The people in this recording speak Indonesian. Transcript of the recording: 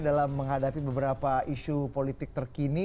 dalam menghadapi beberapa isu politik terkini